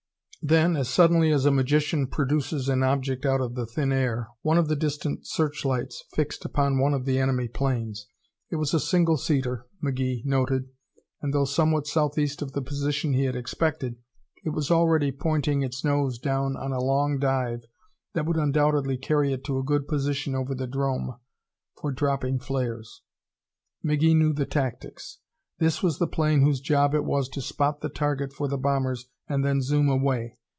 Then, as suddenly as a magician produces an object out of the thin air, one of the distant searchlights fixed upon one of the enemy planes. It was a single seater, McGee noted, and though somewhat southeast of the position he had expected, it was already pointing its nose down on a long dive that would undoubtedly carry it to a good position over the 'drome for dropping flares. McGee knew the tactics. This was the plane whose job it was to spot the target for the bombers and then zoom away.